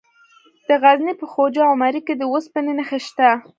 د غزني په خواجه عمري کې د اوسپنې نښې شته.